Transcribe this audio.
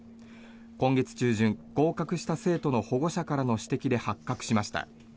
今月中旬、合格した生徒の保護者からの指摘で発覚しました。